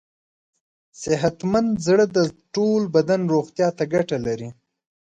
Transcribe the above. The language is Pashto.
صحتمند زړه د ټول بدن روغتیا ته ګټه لري.